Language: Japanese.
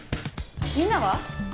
みんなは？